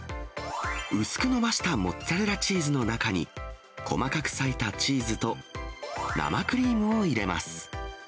薄く伸ばしたモッツァレラチーズの中に細かく裂いたチーズと生クリームを入れます。